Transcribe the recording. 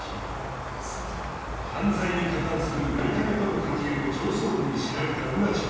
犯罪に加担する美影との関係を上層部に知られた穿地は